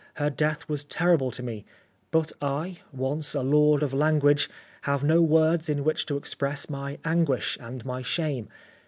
Her death was terrible to me ; but I, once a lord of language, have no words in which to express my anguish and my shame.